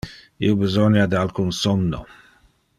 Io besonia de alcun somno.